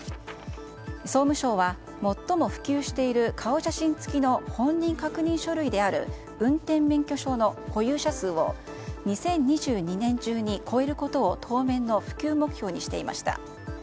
総務省は最も普及している顔写真付きの本人確認書類である運転免許証の保有者数を２０２２年中に超えることを当面の普及目標にしていました。